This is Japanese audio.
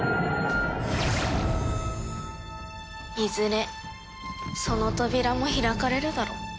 いずれその扉も開かれるだろう。